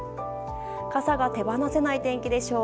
傘が手放せない天気でしょう。